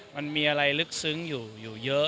มันมีอะไรลึกซึ้งอยู่เยอะ